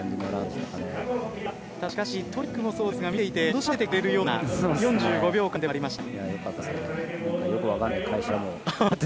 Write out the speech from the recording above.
ただ、しかしトリックもそうですが、見ていて楽しませてくれるような４５秒間でもありました。